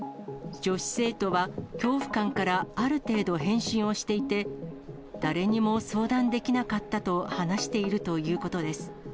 女子生徒は恐怖感からある程度返信をしていて、誰にも相談できなかったと話しているということです。